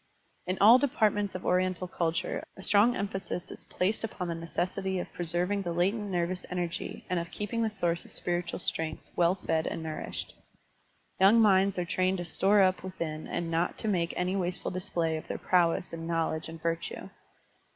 In all depart ments of Oriental culture a strong emphasis is placed upon the necessity of preserving the latent nervous enei^ and of keeping the source of spiritual strength well fed and nourished; Yotmg minds are trained to store up within and not to make any wasteful display of their prowess and knowledge and virtue.